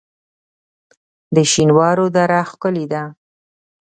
د شینوارو دره ښکلې ده